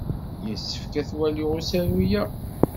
Yessefk ad t-waliɣ usaru-ya.